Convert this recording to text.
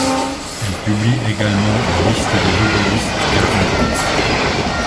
Elle publie également la liste des lobbyistes qu'elle rencontre.